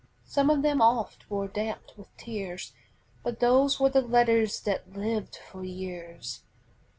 Some of them oft were damp with tears, But those were the letters that lived for years.